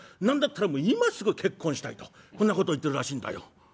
何だったら今すぐ結婚したいとこんなこと言ってるらしいんだよ」。